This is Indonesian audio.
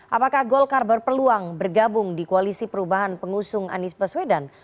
apakah golkar berpeluang bergabung di koalisi perubahan pengusung anies baswedan